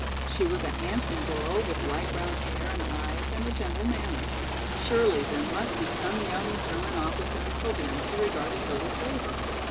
She was a handsome girl with light brown hair and eyes and a gentle manner. Surely there must be some young German officer in Coblenz who regarded her with favor!